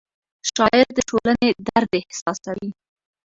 شاعر د ټولنې درد احساسوي.